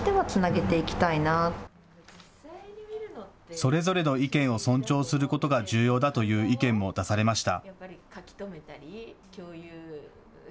それぞれの意見を尊重することが重要だという意見も出されました。